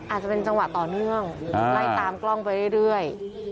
อาจจะเป็นจังหวะต่อเนื่องไล่ตามกล้องไปเรื่อย